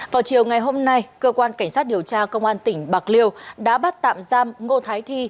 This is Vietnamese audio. vào chiều ngày hôm nay cơ quan cảnh sát điều tra công an tỉnh bạc liêu đã bắt tạm giam ngô thái thi